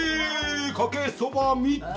かけそば３つ！